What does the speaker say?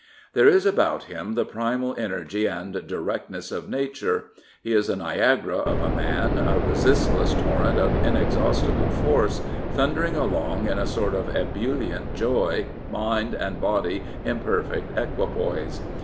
There is about him the primal energy and directness of nature. He is a Niagara of a man, a resistless torrent of inexhaustible force, thundering along in a sort of ebi^ent joy, mind and body in perfect equi ^poise.